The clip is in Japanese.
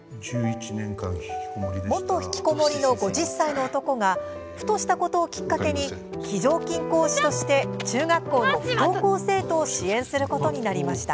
元ひきこもりの５０歳の男がふとしたことをきっかけに非常勤講師として中学校の不登校生徒を支援することになりました。